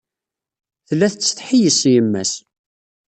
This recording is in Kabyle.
Tella tettsetḥi yess yemma-s.